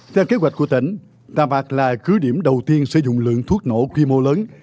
theo kế hoạch của tỉnh tà bạc là cứ điểm đầu tiên sử dụng lượng thuốc nổ quy mô lớn